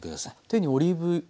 手にオリーブ油を。